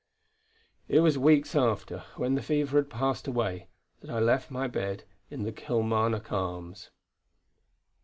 It was weeks after, when the fever had passed away, that I left my bed in the Kilmarnock Arms.